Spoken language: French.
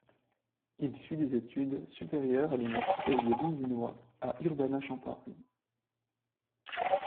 Il suit des études supérieures à l'université de l'Illinois à Urbana-Champaign.